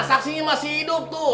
saksinya masih hidup tuh